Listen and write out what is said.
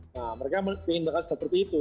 nah mereka ingin merasa seperti itu